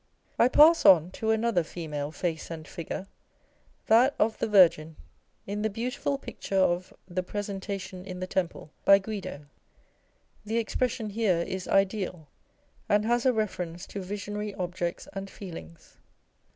I pass on to another female face and figure â€" that of the Virgin, in the beautiful picture of the " Presentation in the Temple," by Guido. The expression here is ideal, and has a reference to visionary objects and feelings.